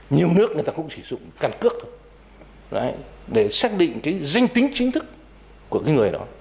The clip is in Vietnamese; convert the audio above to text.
nhiều nước người ta cũng chỉ dụng căn cước thôi để xác định cái danh tính chính thức của cái người đó